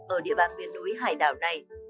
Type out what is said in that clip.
ở địa bàn biển núi hải đảo này